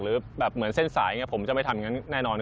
หรือแบบเหมือนเส้นสายอย่างนี้ผมจะไม่ทำอย่างนั้นแน่นอน